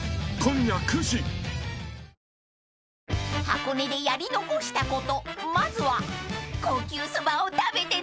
［箱根でやり残したことまずは］